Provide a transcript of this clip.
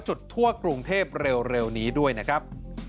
จุดทั่วกรุงเทพเร็วนี้ด้วยนะครับ